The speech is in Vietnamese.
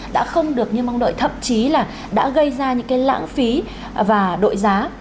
đã không được như mong đợi thậm chí là đã gây ra những cái lãng phí và đội giá